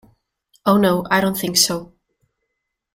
Oh, no, I don't think so!